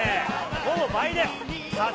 ほぼ倍です。